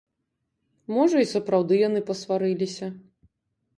Можа, і сапраўды яны пасварыліся.